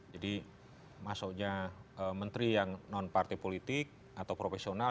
jadi maksudnya menteri yang non partai politik atau profesional